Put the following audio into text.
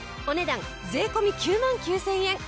お値段税込９万９０００円。